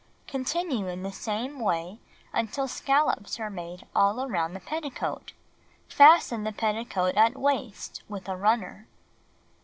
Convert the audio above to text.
Continue in same way until scallops are made all around the petticoat. Fasten the petticoat at waist with a runner.